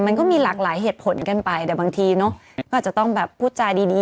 มันก็มีหลากหลายเหตุผลกันไปแต่บางทีเนอะก็อาจจะต้องแบบพูดจาดี